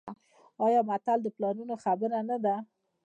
آیا متل د پلرونو خبره نه ده؟